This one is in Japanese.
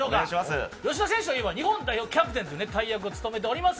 吉田選手といえば日本代表のキャプテンという大役を務めています。